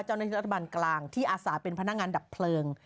เจ้านักธิบาลกลางที่อาสาเป็นพนักงานดับเพลิง